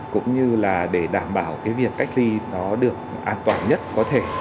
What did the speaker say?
cũng như là để đảm bảo cái việc cách ly nó được an toàn nhất có thể